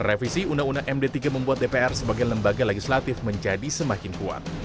revisi undang undang md tiga membuat dpr sebagai lembaga legislatif menjadi semakin kuat